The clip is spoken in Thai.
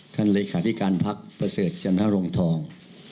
ท่านเลขาที่การพักประเสริฐจันทร์หลงทอง